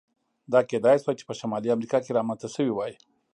دا کېدای شوای چې په شمالي امریکا کې رامنځته شوی وای.